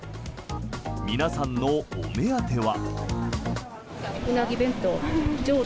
皆さんのお目当ては。